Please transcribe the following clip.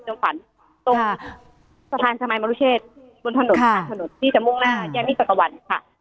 ฝันตรงสะพานชมัยมรุเชษบนถนนค่ะถนนที่จะมุ่งหน้าแยกมิตรวรรณค่ะ